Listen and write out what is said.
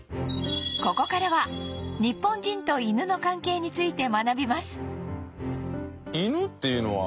ここからは日本人と犬の関係について学びます